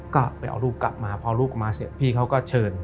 ก็ไปเอาลูกกลับมาพอลูกกลับมาเสร็จพี่เขาก็เชิญ